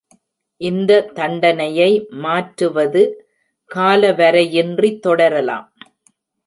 இந்த தண்டனையை மாற்றுவது காலவரையின்றி தொடரலாம்.